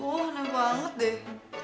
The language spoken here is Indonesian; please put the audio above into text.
wah nek banget deh